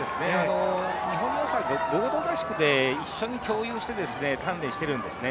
日本の良さ、合同合宿で一緒に鍛錬しているんですね。